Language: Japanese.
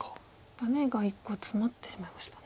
ダメが１個ツマってしまいましたね。